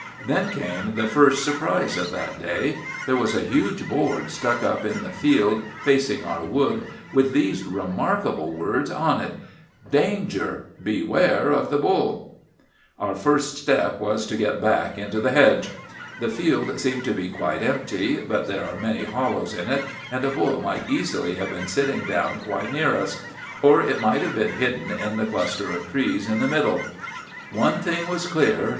Then came the first surprise of that day. There was a huge board stuck up in the field facing our wood with these remarkable words on it— +−−−−−−−−−−−−−−−−−−−−−−−+||| DANGER! || BEWARE OF THE BULL! |||+−−−−−−−−−−−−−−−−−−−−−−−+ Our first step was to get back into the hedge. The field seemed to be quite empty, but there are many hollows in it, and a bull might easily have been sitting down quite near us. Or it might have been hidden in the cluster of trees in the middle. One thing was clear.